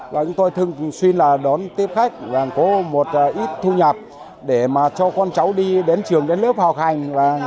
và chúng tôi thường xuyên là đón tiếp khách và có một ít thu nhập để mà cho con cháu đi đến trường đến lớp học hành